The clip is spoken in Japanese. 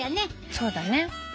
そうだね。